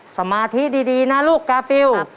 สมาธิดีนะลูกกาฟิล